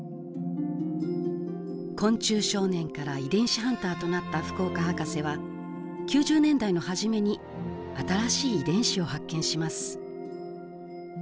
昆虫少年から遺伝子ハンターとなった福岡ハカセは９０年代の初めに新しい遺伝子を発見します。